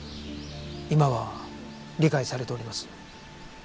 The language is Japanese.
今は理解されております。